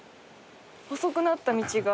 細くなった道が。